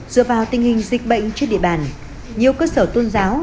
dựa vào tình hình dịch bệnh trên địa bàn nhiều cơ sở tôn giáo